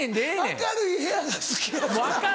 明るい部屋が好きやから。